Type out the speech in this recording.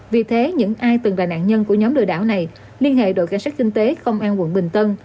vì thế những ai từng là nạn nhân của nhóm lừa đảo này liên hệ đội cảnh sát kinh tế công an quận bình tân